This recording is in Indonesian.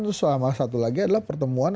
terus sama satu lagi adalah pertemuan